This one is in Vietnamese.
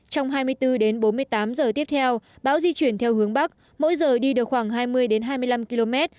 trong hai mươi bốn đến bốn mươi tám giờ tiếp theo bão di chuyển theo hướng bắc mỗi giờ đi được khoảng hai mươi hai mươi năm km